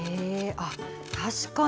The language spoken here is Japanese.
あ確かに！